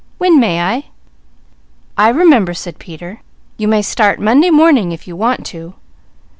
"When may I?" "I remember," said Peter. "You may start Monday morning if you want to.